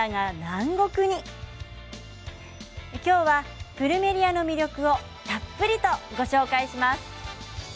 今日はプルメリアの魅力をたっぷりとご紹介します。